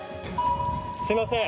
すいません。